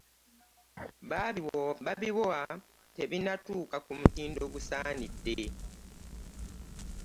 Babibowa tebinnatuuka ku mutindo ogusaanidde.